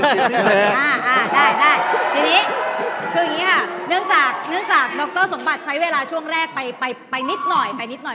คืออย่างนี้ค่ะเนื่องจากดรสมบัติใช้เวลาช่วงแรกไปนิดหน่อย